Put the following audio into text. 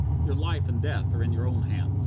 Your life and death are in your own hands."